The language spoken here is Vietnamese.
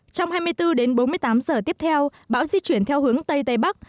trong hai mươi bốn đến bốn mươi tám giờ tiếp theo bão di chuyển theo hướng tây tây bắc